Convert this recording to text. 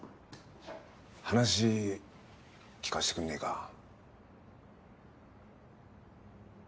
話聞かせてくんねえか？